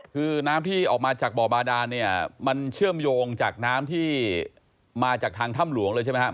คือน้ำที่ออกมาจากบ่อบาดานเนี่ยมันเชื่อมโยงจากน้ำที่มาจากทางถ้ำหลวงเลยใช่ไหมครับ